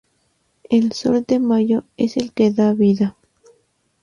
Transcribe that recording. El Sol de Mayo es "el que da vida".